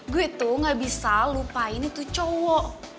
gue itu gak bisa lupain itu cowok